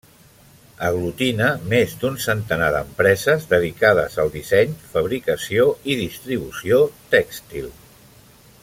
Aglutina més d'un centenar d'empreses dedicades al disseny, fabricació i distribució tèxtil.